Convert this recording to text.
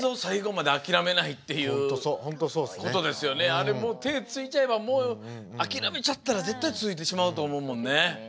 あれもう手ついちゃえば諦めちゃったら絶対ついてしまうと思うもんね。